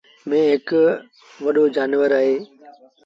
ميݩهن هڪڙو وڏو جآݩور اهي۔